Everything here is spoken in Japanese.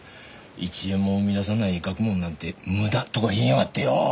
「一円も生み出さない学問なんて無駄」とか言いやがってよー。